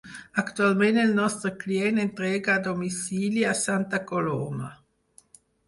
Actualment el nostre client entrega a domicili a Santa Coloma.